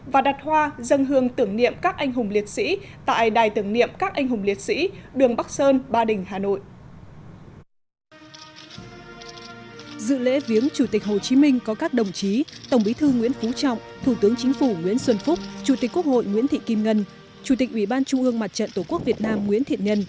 và đặt hoa dân hương tưởng niệm các anh hùng liệt sĩ tại đài tưởng niệm các anh hùng liệt sĩ